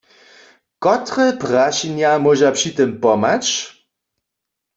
Kotre prašenja móža při tym pomhać?